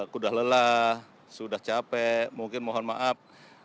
sudah lelah sudah capek mungkin mohon maaf